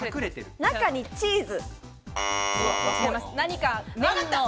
中にチーズ。